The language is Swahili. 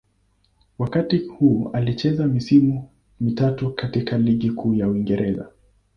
Wakati huu alicheza misimu mitatu katika Ligi Kuu ya Uingereza.